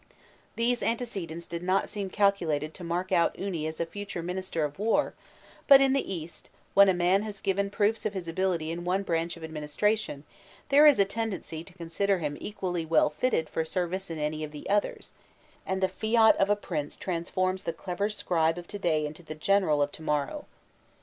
These antecedents did not seem calculated to mark out Uni as a future minister of war; but in the East, when a man has given proofs of his ability in one branch of administration, there is a tendency to consider him equally well fitted for service in any of the others, and the fiat of a prince transforms the clever scribe of to day into the general of to morrow.